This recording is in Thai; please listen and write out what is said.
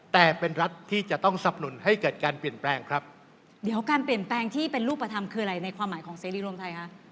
แต่เป็นรัฐที่จะต้องสับหนุนให้เกิดการเปลี่ยนแปลงครับเดี๋ยวการเปลี่ยนแปลงที่เป็นรูปธรรมคืออะไรในความหมายของเสรีรวมไทยคะ